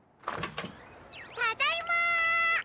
ただいま！